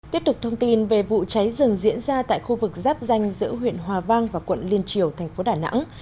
tiếp tục thông tin về vụ cháy rừng diễn ra tại khu vực giáp danh giữa huyện hòa vang và quận liên triều thành phố đà nẵng